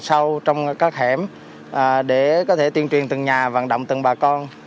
sâu trong các hẻm để có thể tuyên truyền từng nhà vận động từng bà con